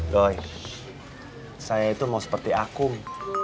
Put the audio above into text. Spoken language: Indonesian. doi saya itu mau seperti akung